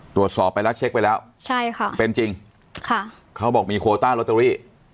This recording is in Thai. ตรวจสอบไปแล้วเช็คไปแล้วใช่ค่ะเป็นจริงค่ะเขาบอกมีโคต้าลอตเตอรี่